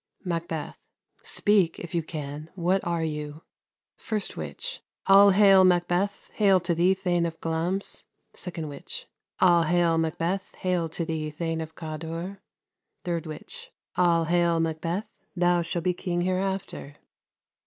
Macbeth. Speak if you can, what are you? 1st Witch. All hail, Macbeth! hail to thee, thane of Glamis! 2nd Witch. All hail, Macbeth! hail to thee, thane of Cawdor! 3rd Witch. All hail, Macbeth! thou shall be king hereafter.